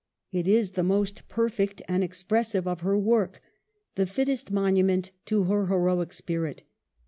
It is the most perfect and expressive of her work : the fittest monu ment to her heroic spirit.